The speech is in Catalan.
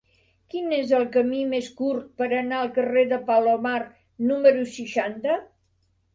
Quin és el camí més curt per anar al carrer de Palomar número seixanta?